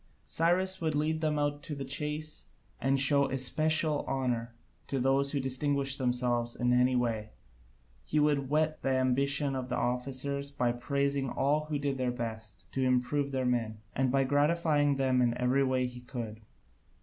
Cyrus would lead them out to the chase, and show especial honour to those who distinguished themselves in any way: he would whet the ambition of the officers by praising all who did their best to improve their men, and by gratifying them in every way he could.